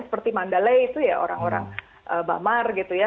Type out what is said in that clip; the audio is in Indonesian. seperti mandala itu ya orang orang bamar gitu ya